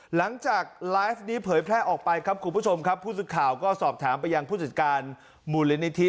หลังจากไลฟ์นี้เผยแพร่ออกไปครับคุณผู้ชมครับผู้สื่อข่าวก็สอบถามไปยังผู้จัดการมูลนิธิ